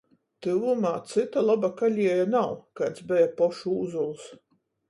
Tyvumā cyta loba kalēja nav, kaids beja pošu Ūzuls.